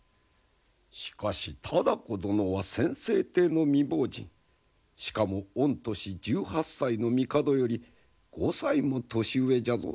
しかし多子殿は先々帝の未亡人しかも御年１８歳の帝より５歳も年上じゃぞ。